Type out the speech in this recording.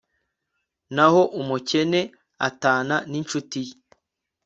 naho umukene atana n'incuti ye